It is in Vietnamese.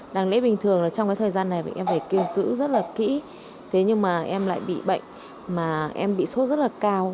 đáng lẽ bình thường là trong cái thời gian này em phải kinh cữ rất là kỹ thế nhưng mà em lại bị bệnh mà em bị sốt rất là cao